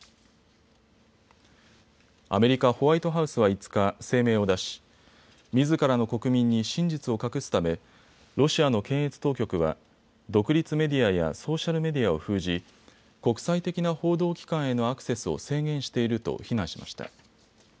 アメリカ・ホワイトハウスは５日、声明を出しみずからの国民に真実を隠すためロシアの検閲当局は独立メディアやソーシャルメディアを封じ国際的な報道機関へのアクセスを制限していると非難しました。